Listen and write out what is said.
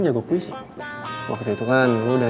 jadi gue ikutan juga